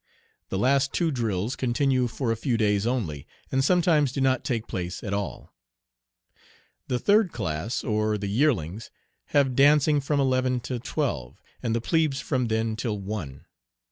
The last two drills continue for a few days only, and sometimes do not take place at all. The third class, or the yearlings, have dancing from eleven to twelve, and the plebes from then till one.